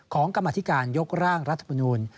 กรรมธิการยกร่างรัฐมนูล